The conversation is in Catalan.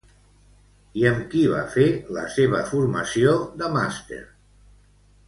I amb qui va fer la seva formació de màster?